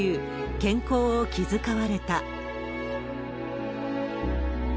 健康を気遣われた。